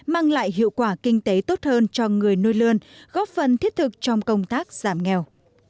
mang lại hiệu quả kinh tế tốt hơn cho người nuôi lươn góp phần thiết thực trong công tác giảm nghèo